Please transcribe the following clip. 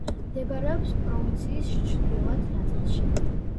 მდებარეობს პროვინციის ჩრდილოეთ ნაწილში.